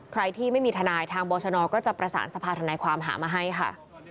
ใครที่ไม่มีทนายทางบรชนก็จะประสานสภาธนายความหามาให้ค่ะ